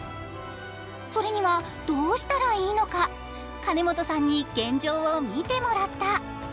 それには、どうしたらいいのか、金本さんに現状を見てもらった。